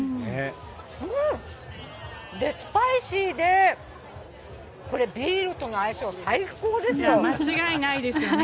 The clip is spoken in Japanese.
うーん、スパイシーで、これ、ビールとの相性、間違いないですよね。